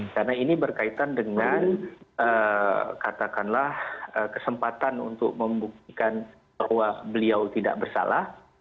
karena ini berkaitan dengan katakanlah kesempatan untuk membuktikan bahwa beliau tidak bersalah